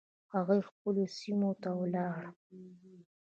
هغوی خپلو سیمو ته ولاړل.